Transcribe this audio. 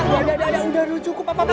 udah udah udah cukup apa apa